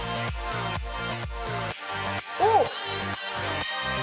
おっ。